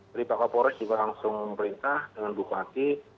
tadi pak kapolres juga langsung perintah dengan bupati